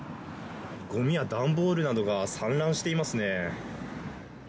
ごみや段ボールなどが散乱していますね。